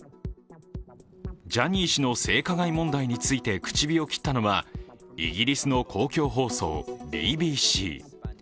ジャニー氏の性加害問題について口火を切ったのは、イギリスの公共放送、ＢＢＣ。